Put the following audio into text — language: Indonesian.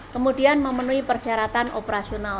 kemudian memenuhi persyaratan operasional